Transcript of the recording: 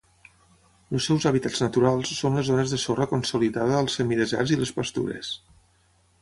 Els seus hàbitats naturals són les zones de sorra consolidada als semideserts i les pastures.